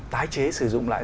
tái chế sử dụng lại